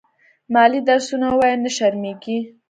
مالې درسونه ووايه نه شرمېږې.